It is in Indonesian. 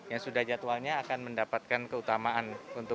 yang sudah jadwalnya akan mendapatkan keutamaan